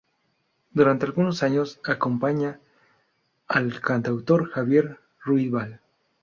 Durante algunos años, acompaña al cantautor Javier Ruibal.